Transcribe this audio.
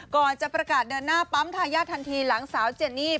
ก่อนจะประกาศเดินหน้าปั๊มทายาททันทีหลังสาวเจนี่